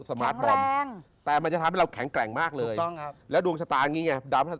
สมาร์ทบอลแต่มันจะทำให้เราแข็งแกร่งมากเลยแล้วดวงชะตาอย่างนี้ไง